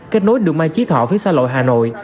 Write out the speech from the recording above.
kết nối đường mai trí thọ phía xa lội hà nội